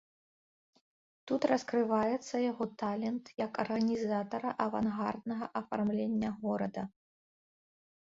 Тут раскрываецца яго талент як арганізатара авангарднага афармлення горада.